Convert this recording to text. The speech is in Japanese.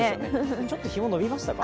ちょっと日も延びましたか？